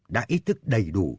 đã ý thức đầy đủ